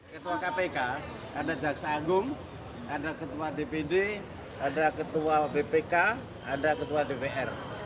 ketua kpk ada jaksa agung ada ketua dpd ada ketua bpk ada ketua dpr